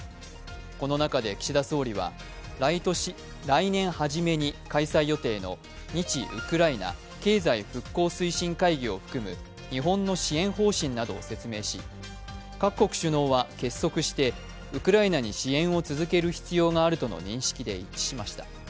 この中で岸田総理は来年初めに開催予定の日・ウクライナ経済復興推進会議を含む日本の支援方針などを説明し、各国首脳は結束してウクライナに支援を続ける必要があるとの認識で一致しました。